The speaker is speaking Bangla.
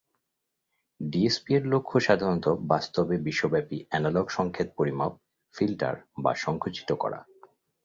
ডিএসপি এর লক্ষ্য সাধারণত বাস্তবে বিশ্বব্যাপী এনালগ সংকেত পরিমাপ, ফিল্টার বা সংকুচিত করা।